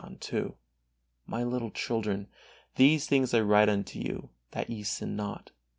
John ii: "My little children, these things I write unto you, that ye sin not.